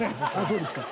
そうですか。